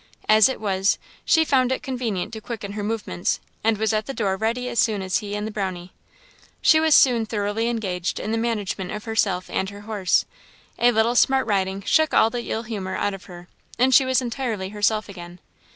As it was, she found it convenient to quicken her movements, and was at the door ready as soon as he and the Brownie. She was soon thoroughly engaged in the management of herself and her horse; a little smart riding shook all the ill humour out of her, and she was entirely herself again.